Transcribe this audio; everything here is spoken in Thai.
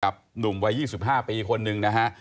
หนุ่มวัย๒๕ปีคนหนึ่งนะฮะ